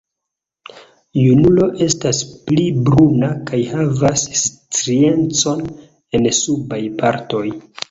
Junulo estas pli bruna kaj havas striecon en subaj partoj.